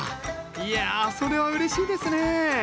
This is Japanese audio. いやそれはうれしいですね！